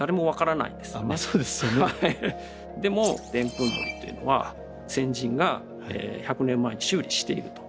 でもでんぷんのりっていうのは先人が１００年前に修理していると。